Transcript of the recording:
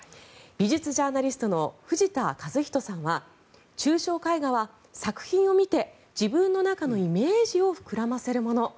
美術ジャーナリストの藤田一人さんは抽象絵画は作品を見て自分の中のイメージを膨らませるもの。